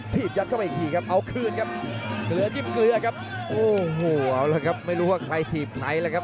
ถีบยัดเข้าไปอีกทีครับเอาคืนครับ